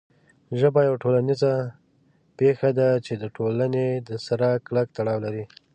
ژبه یوه ټولنیزه پېښه ده چې د ټولنې سره کلک تړاو لري.